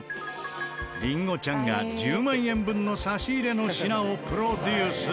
りんごちゃんが１０万円分の差し入れの品をプロデュース。